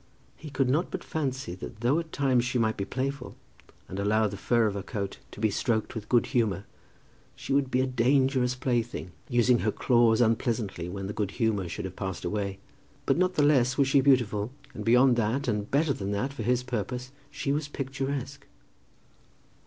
He could not but fancy that though at times she might be playful, and allow the fur of her coat to be stroked with good humour, she would be a dangerous plaything, using her claws unpleasantly when the good humour should have passed away. But not the less was she beautiful, and beyond that and better than that, for his purpose, she was picturesque.